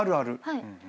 はい。